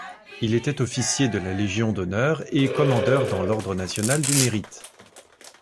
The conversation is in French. Il était Officier de la Légion d’Honneur et Commandeur dans l’Ordre National du Mérite.